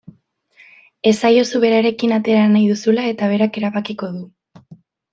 Esaiozu berarekin atera nahi duzula eta berak erabakiko du.